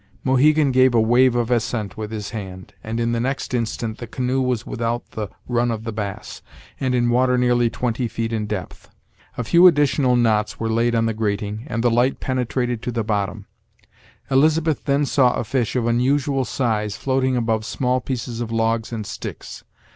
Mohegan gave a wave of assent with his hand, and in the next instant the canoe was without the "run of the bass," and in water nearly twenty feet in depth. A few additional knots were laid on the grating, and the light penetrated to the bottom, Elizabeth then saw a fish of unusual size floating above small pieces of logs and sticks.